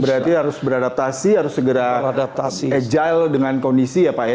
berarti harus beradaptasi harus segera agile dengan kondisi ya pak ya